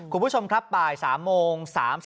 คุณผู้ชมครับบ่าย๓โมง๓๒